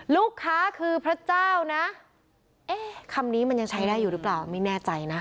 ลูกค้าคือพระเจ้านะเอ๊ะคำนี้มันยังใช้ได้อยู่หรือเปล่าไม่แน่ใจนะ